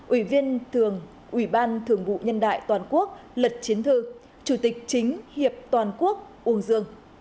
ủy viên thường ủy ban thường vụ nhân đại toàn quốc lật chiến thư chủ tịch chính hiệp toàn quốc uông dương